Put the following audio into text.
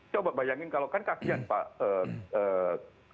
coba bayangin kalau kan kasian pak